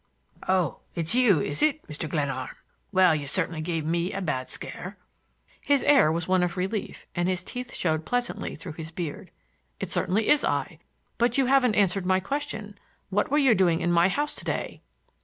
"Oh, it's you, is it, Mr. Glenarm? Well, you certainly gave me a bad scare." His air was one of relief and his teeth showed pleasantly through his beard. "It certainly is I. But you haven't answered my question. What were you doing in my house to day?"